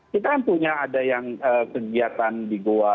kita punya ada yang kegiatan di goa